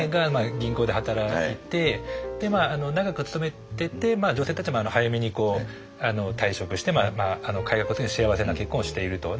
銀行で働いて長く勤めてて女性たちも早めに退職してかようなことに幸せな結婚をしていると。